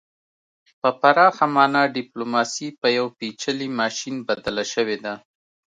په پراخه مانا ډیپلوماسي په یو پیچلي ماشین بدله شوې ده